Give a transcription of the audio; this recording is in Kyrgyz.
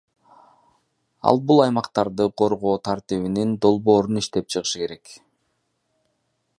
Ал бул аймактарды коргоо тартибинин долбоорун иштеп чыгышы керек.